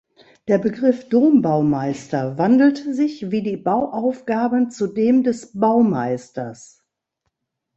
Der Begriff Dombaumeister wandelte sich, wie die Bauaufgaben, zu dem des "Baumeisters".